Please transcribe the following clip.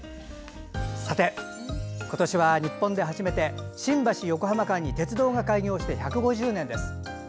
さて、今年は日本で初めて新橋横浜間に鉄道が開業して１５０年です。